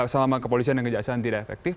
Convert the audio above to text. selama kepolisian dan kejaksaan tidak efektif